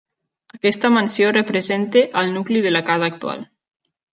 Aquesta mansió representa el nucli de la casa actual.